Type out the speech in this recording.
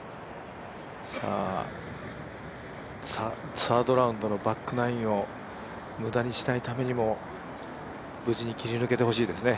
サードラウンドのバックナインを無駄にしないためにも無事に切り抜けてほしいですね。